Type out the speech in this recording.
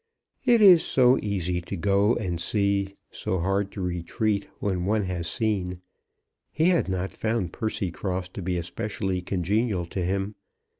It is so easy to go and see; so hard to retreat when one has seen. He had not found Percycross to be especially congenial to him.